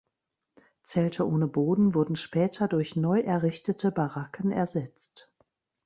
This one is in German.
Zelte ohne Boden wurden später durch neu errichtete Baracken ersetzt.